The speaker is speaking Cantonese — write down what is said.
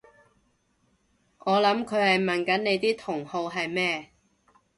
我諗佢係問緊你啲同好係咩？